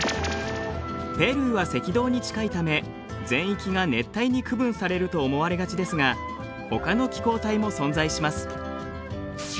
ペルーは赤道に近いため全域が熱帯に区分されると思われがちですがほかの気候帯も存在します。